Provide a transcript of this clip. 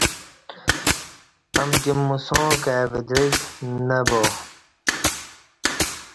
امکی موساں کائی ودعیک نہ با